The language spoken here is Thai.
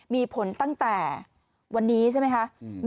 มีผลตั้งแต่วันนี้ใช่ไหมคะ